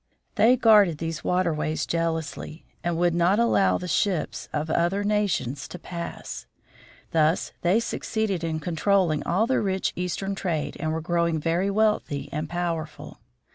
They guarded these waterways jealously, and would not allow the ships of Sebastian Cabot. INTRODUCTION 3 other nations to pass. Thus they succeeded in controlling all the rich Eastern trade, and were growing very wealthy and powerful.